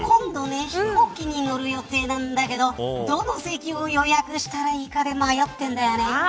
今度飛行機に乗る予定なんだけどどの席を予約したらいいかで迷ってるんだよね。